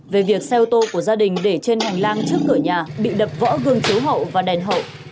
về việc xe ô tô của gia đình để trên hành lang trước cửa nhà bị đập vỡ gương chiếu hậu và đèn hậu